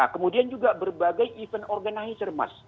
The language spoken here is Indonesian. kemudian juga berbagai event organizer mas